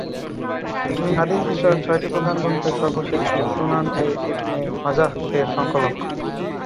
তিনি হাদিস বিষয়ক ছয়টি প্রধান গ্রন্থের সর্বশেষটি, সুনান-এ-ইবনে মাজাহ-এর সংকলক।